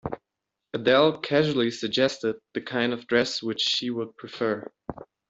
Adele casually suggested the kind of dress which she would prefer.